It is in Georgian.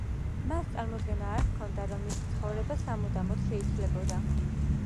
მას წარმოდგენა არ ჰქონდა რომ მისი ცხოვრება სამუდამოდ შეიცვლებოდა.